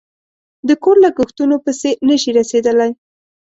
د کور لگښتونو پسې نشي رسېدلی